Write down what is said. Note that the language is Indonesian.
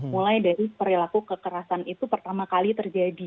mulai dari perilaku kekerasan itu pertama kali terjadi